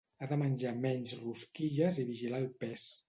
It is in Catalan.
Ha de menjar menys rosquilles i vigilar el pes.